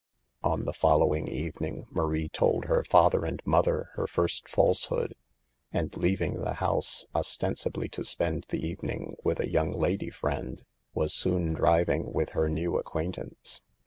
On the following evening Marie told father and mother her first falsehood, and leaving the house, ostensibly to spend the evening with a young lady friend, was soon driving with her new acquaintance.